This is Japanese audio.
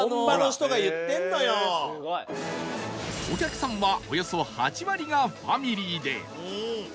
お客さんはおよそ８割がファミリーで